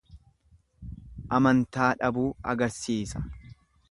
Amantaa dhabuu agarsiisa.